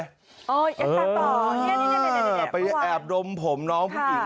อยากตามต่อไปแอบดมผมน้องผู้หญิง